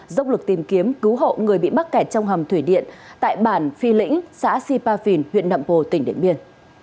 dốc lực tìm kiếm cứu hộ người bị bắt kẹt trong hầm thủy điện tại bản phi lĩnh xã sipafin huyện đậm bồ tỉnh điện biên